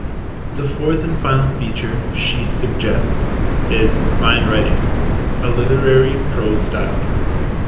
The fourth and final feature she suggests is "Fine writing: a literary prose style".